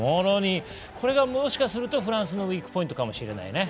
これがもしかするとフランスのウイークポイントかもしれないね。